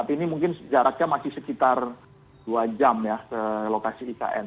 ini mungkin jaraknya masih sekitar dua jam ya ke lokasi ikn